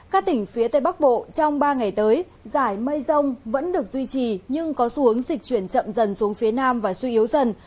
các tỉnh phía tây bắc bộ trong ba ngày tới giải mây rông vẫn được duy trì nhưng có xu hướng dịch chuyển chậm dần xuống phía nam và suy yếu dần